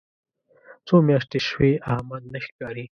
څو میاشتې شوې احمد نه ښکاري.